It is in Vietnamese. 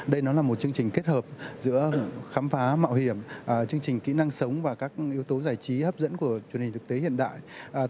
đây nó là một chương trình kết hợp giữa khám phá mạo hiểm chương trình kỹ năng sống và các yếu tố giải trí hấp dẫn của truyền hình thực tế hiện đại